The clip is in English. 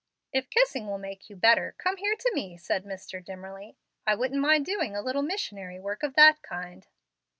"If kissing will make you better, come here to me," said Mr. Dimmerly. "I wouldn't mind doing a little missionary work of that kind."